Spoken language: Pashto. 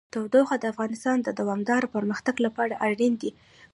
تودوخه د افغانستان د دوامداره پرمختګ لپاره اړین دي.